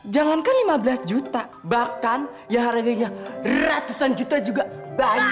jangankan lima belas juta bahkan ya harganya ratusan juta juga banyak